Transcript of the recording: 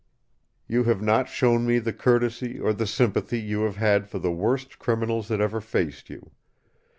"You have not shown me the courtesy or the sympathy you have had for the worst criminals that ever faced you.